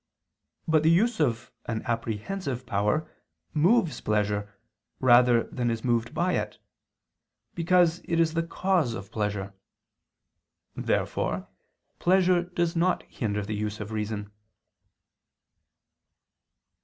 But the use of an apprehensive power moves pleasure rather than is moved by it: because it is the cause of pleasure. Therefore pleasure does not hinder the use of reason.